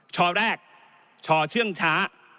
ชอแรกชอเชื่องช้า